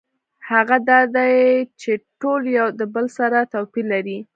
هغه دا دی چې ټول یو د بل سره توپیر لري.